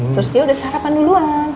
terus dia udah sarapan duluan